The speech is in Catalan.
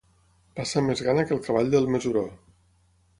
Passar més gana que el cavall del Mesuró.